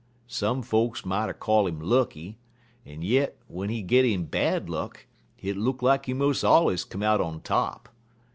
Some folks moughter call him lucky, en yit, w'en he git in bad luck, hit look lak he mos' allers come out on top.